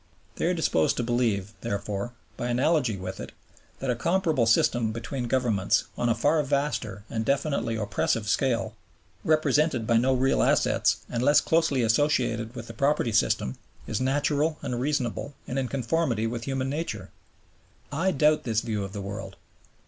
They are disposed to believe, therefore, by analogy with it, that a comparable system between Governments, on a far vaster and definitely oppressive scale, represented by no real assets, and less closely associated with the property system, is natural and reasonable and in conformity with human nature. I doubt this view of the world.